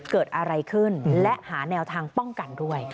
เกิดอะไรขึ้นและหาแนวทางป้องกันด้วย